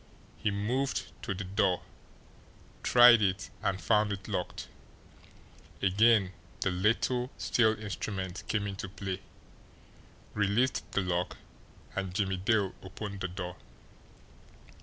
He moved to the door, tried it, and found it locked. Again the little steel instrument came into play, released the lock, and Jimmie Dale opened the door.